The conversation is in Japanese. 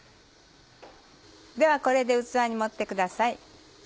ではこれで器に盛ってください。